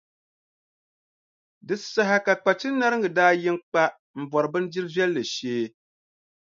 Di saha ka Kpatinariŋga daa yi n-kpa m-bɔri bindirʼ viɛlli shee.